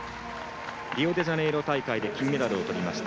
リオデジャネイロ大会で金メダルをとりました。